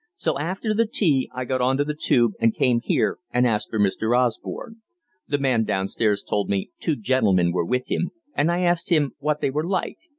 "So after tea I got on to the tube and came here and asked for Mr. Osborne. The man downstairs told me 'two gentlemen were with him,' and I asked him what they were like.